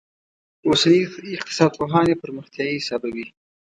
اوسني اقتصاد پوهان یې پرمختیايي حسابوي.